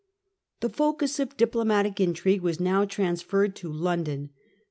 The focus of diplomatic intrigue was now transferred to London.